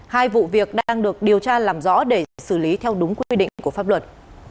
hai vụ việc đang được điều tra làm rõ để xử lý theo đúng quy định của pháp luật